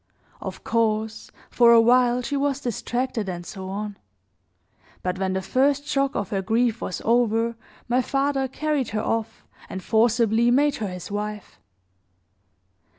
"Of course, for a while, she was distracted and so on; but when the first shock of her grief was over, my father carried her off, and forcibly made her his wife.